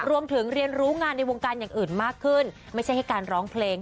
เรียนรู้งานในวงการอย่างอื่นมากขึ้นไม่ใช่แค่การร้องเพลง